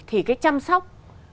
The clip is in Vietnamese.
thì cái chăm sóc